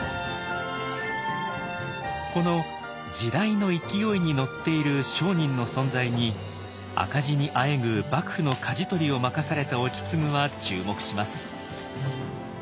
この時代の勢いに乗っている商人の存在に赤字にあえぐ幕府のかじ取りを任された意次は注目します。